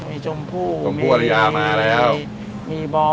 มีจมพู่มีบอยมีแม่เขามีน้องวันใหม่